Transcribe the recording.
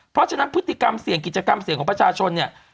เพราะฉะนั้นพฤติกรรมเสี่ยงกิจกรรมเสี่ยงของประชาชนเนี่ย